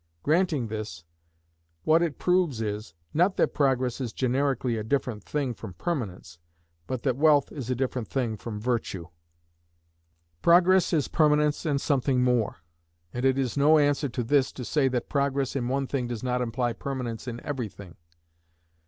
Granting this, what it proves is, not that Progress is generically a different thing from Permanence, but that wealth is a different thing from virtue. Progress is permanence and something more; and it is no answer to this to say that Progress in one thing does not imply Permanence in every thing.